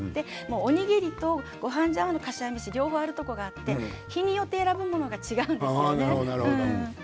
おにぎりとかしわ飯と両方あるところがあって日によって選ぶものが違うんですよね。